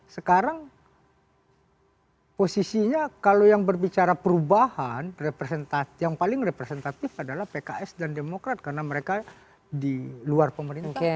sekarang posisinya kalau yang berbicara perubahan yang paling representatif adalah pks dan demokrat karena mereka di luar pemerintahan